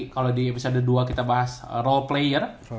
kalau di episode dua kita bahas role player